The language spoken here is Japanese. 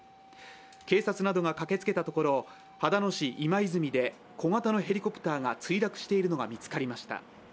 警察などが駆けつけたところ、秦野市今泉で小型のヘリコプターが墜落しているのが見つかりました。